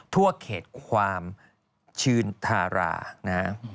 ทั่วเขตความชืนทารานะ